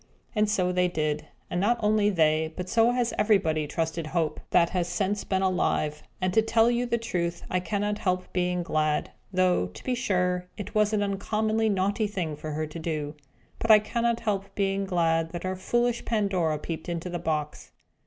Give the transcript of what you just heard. And so they did; and not only they, but so has everybody trusted Hope, that has since been alive. And to tell you the truth, I cannot help being glad (though, to be sure, it was an uncommonly naughty thing for her to do) but I cannot help being glad that our foolish Pandora peeped into the box.